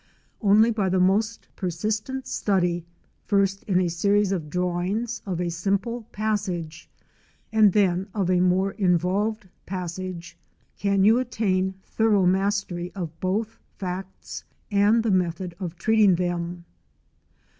Only by the most persistent study, first in a series of drawings of a simple passage, and then of a more involved passage, can you attain thorough mastery of both facts and the method of treating them.